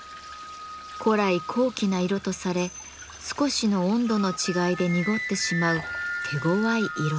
古来高貴な色とされ少しの温度の違いで濁ってしまう手ごわい色です。